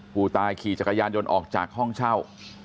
ผู้ตายขี่จักรยานยนต์ออกจากห้องเช่า